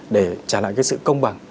để trả lại sự công bằng